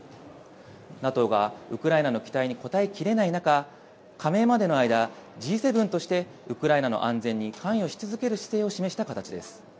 ＮＡＴＯがウクライナの期待に応えきれない中加盟までの間Ｇ７としてウクライナの安全に関与し続ける姿勢を示した形です。